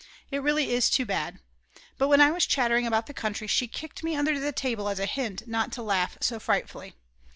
It really is too bad! But when I was chattering about the country, she kicked me under the table as a hint not to laugh so frightfully.